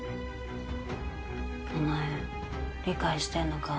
お前理解してんのか？